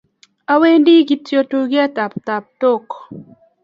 Awendi ktyo tuket ab taptok